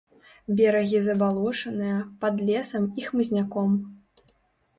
Берагі забалочаныя, пад лесам і хмызняком.